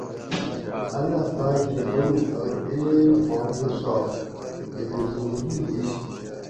اللّٰہ پاۤکہۤ منو ارو اے ماں موسٰی لکہ زندگی ہِیش